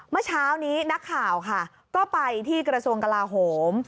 เมื่อเช้านี้นักข่าวค่ะก็ไปที่กระทรวงกลาโหม